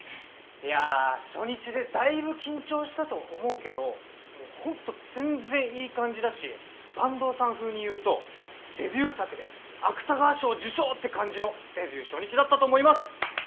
いや初日でだいぶ緊張したと思うけど本当全然いい感じだし坂東さん風にいうとデビュー作で芥川賞受賞って感じのデビュー初日だったと思います。